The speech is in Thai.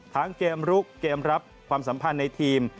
เกมลุกเกมรับความสัมพันธ์ในทีม